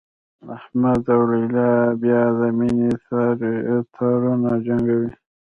احمد او لیلا بیا د مینې تارونه جنګوي